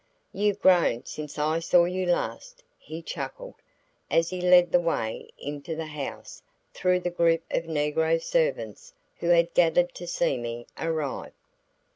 "You've grown since I saw you last," he chuckled, as he led the way into the house through the group of negro servants who had gathered to see me arrive.